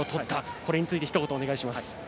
これについてひと言お願いします。